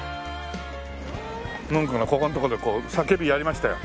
ムンクのここのとこで「叫び」やりましたよ。